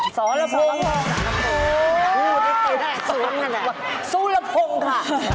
สูรพงษ์สูรพงษ์ค่ะ